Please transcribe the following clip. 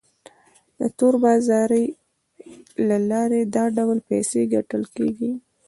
د تور بازارۍ له لارې دا ډول پیسې ګټل کیږي.